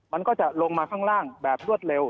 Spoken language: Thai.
มันก็จะลงมาข้างล่างแบบรวดเร็ว